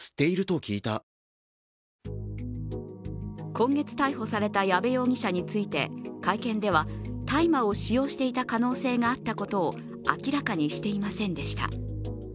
今月逮捕された矢部容疑者について会見では大麻を使用していた可能性があったことを明らかにしていませんでした。